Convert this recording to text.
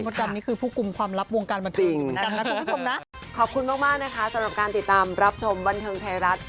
มดดำนี้คือผู้กลุ่มความลับวงการบันเทิง